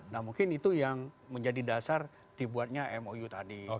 nah mungkin itu yang menjadi dasar dibuatnya mou tadi